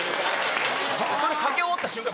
・それかけ終わった瞬間